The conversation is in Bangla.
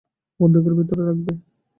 বন্দুকের ভেতরে রাখবে।